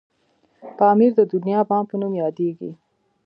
پامير د دنيا بام په نوم یادیږي.